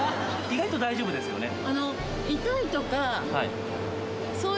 意外と大丈夫ですよね